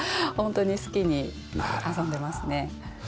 ホントに好きに遊んでますね。